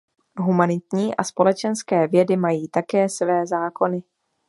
Humanitní a společenské vědy mají také své zákony.